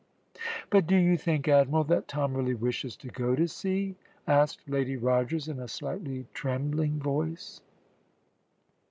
"But do you think, Admiral, that Tom really wishes to go to sea?" asked Lady Rogers, in a slightly trembling voice.